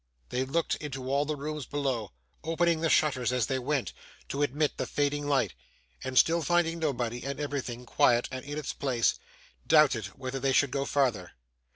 They looked into all the rooms below: opening the shutters as they went, to admit the fading light: and still finding nobody, and everything quiet and in its place, doubted whether they should go farther.